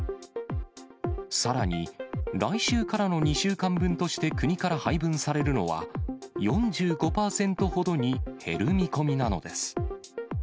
さらに、来週からの２週間分として国から配分されるのは、４５％ほどに減る見込みなのです。